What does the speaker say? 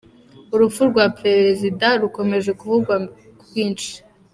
Urupfu rwa perezida rukomeje kuvugwa kwinshi